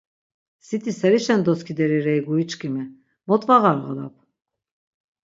Siti serişen doskideri rei guri çkimi, mot va ğarğalap?